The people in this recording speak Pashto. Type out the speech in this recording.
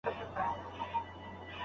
پارکونه پاک وساتئ.